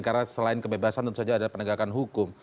karena selain kebebasan tentu saja ada penegakan hukum